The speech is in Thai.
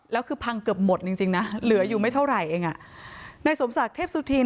แล้วคือพังเกือบหมดจริงจริงนะเหลืออยู่ไม่เท่าไหร่เองอ่ะในสมศักดิ์เทพสุธิน